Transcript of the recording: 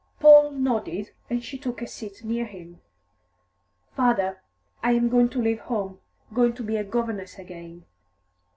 Paul nodded, and she took a seat near him. "Father, I am going to leave home, going to be a governess again."